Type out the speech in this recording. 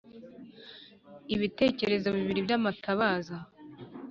ibitereko bibiri by amatabaza